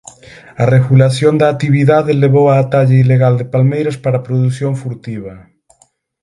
A regulación da actividade levou á talla ilegal de palmeiras para produción furtiva.